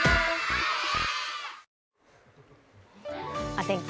お天気